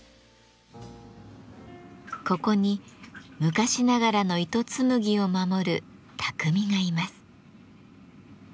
ここに昔ながらの糸紡ぎを守る匠がいます。